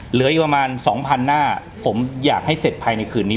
เหลืออีกประมาณสองพันหน้าผมอยากให้เสร็จภายในคืนนี้